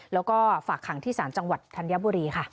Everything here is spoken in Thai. แล้วก็ฝากขังที่ศาลจังหวัดธัญบุรีค่ะ